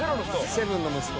セブンの息子。